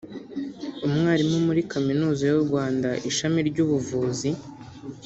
Umwarimu muri Kaminuza y’u Rwanda ishami ry’ubuvuzi